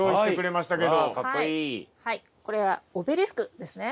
これはオベリスクですね。